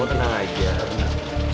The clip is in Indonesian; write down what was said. kamu tenang aja